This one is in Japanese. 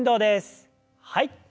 はい。